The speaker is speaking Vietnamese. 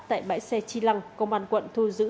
tại bãi xe chi lăng công an quận thu giữ